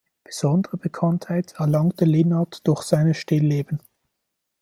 Besondere Bekanntheit erlangte Linard durch seine Stillleben.